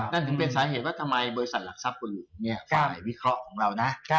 นั่นถึงเป็นสาเหตุว่าทำไมบริษัทหลักทรัพย์คุณหลวงใหม่วิเคราะห์ของเรานะ